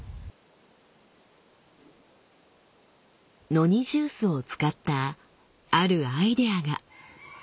ノニジュースを使ったあるアイデアが。